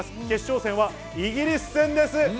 決勝戦はイギリス戦です。